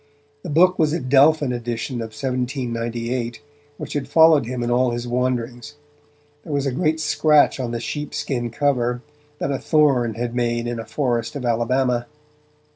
The book was a Delphin edition of 1798, which had followed him in all his wanderings; there was a great scratch on the sheep skin cover that a thorn had made in a forest of Alabama.